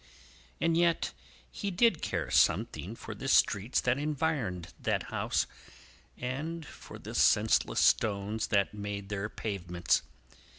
And yet he did care something for the streets that environed that house, and for the senseless stones that made their pavements.